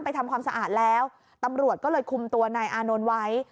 ทำความสะอาดแล้วตำรวจก็เลยคุมตัวนายอานนท์ไว้